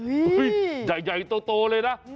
อุ้ยใหญ่โตเลยนะ